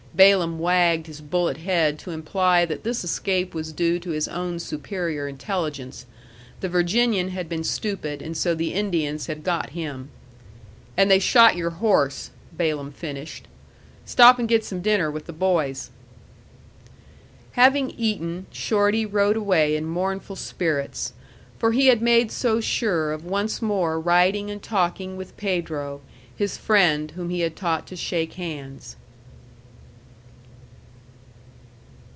Balaam wagged his bullet head to imply that this escape was due to his own superior intelligence. The Virginian had been stupid, and so the Indians had got him. "And they shot your horse," Balaam finished. "Stop and get some dinner with the boys." Having eaten, Shorty rode away in mournful spirits. For he had made so sure of once more riding and talking with Pedro, his friend whom he had taught to shake hands.